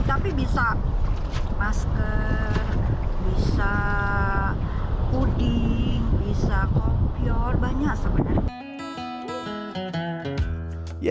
tapi bisa masker bisa puding bisa kopior banyak sebenarnya